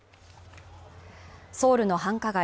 ソウルの繁華街